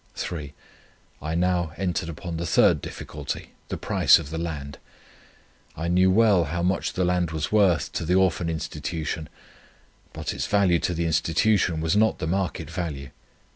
3. I now entered upon the third difficulty, the price of the land. I knew well how much the land was worth to the Orphan Institution; but its value to the Institution was not the market value.